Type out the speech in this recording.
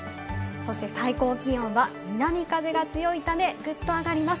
そして最高気温は南風が強いため、ぐっと上がります。